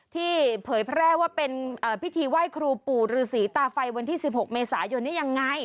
ที่เผยแพร่ว่าเป็นเอ่อพิธีไหว้ครูปู่ฤษีตาไฟวันที่สิบหกเมษายนเนี่ยยังไง